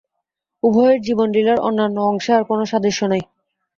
উভয়ের জীবনলীলার অন্যান্য অংশে আর কোন সাদৃশ্য নাই।